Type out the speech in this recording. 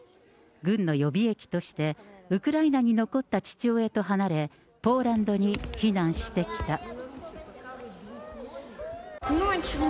軍の予備役として、ウクライナに残った父親と離れ、ポーランドに避難してきた。